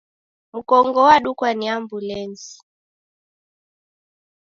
Mkongo wadukwa ni ambulesi